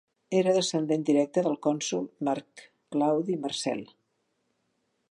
Era descendent directe del cònsol Marc Claudi Marcel.